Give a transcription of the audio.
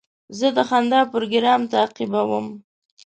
زه د خندا پروګرام تعقیبوم.